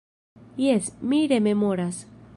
Jes, mi rememoras.